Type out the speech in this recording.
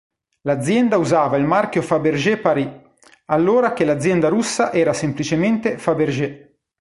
L'azienda usava il marchio "Fabergé Paris" allora che l'azienda russa era semplicemente "Fabergé".